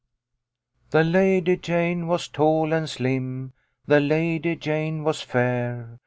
" The ta dy Jane was tall and slim, The la dy Jane was fair.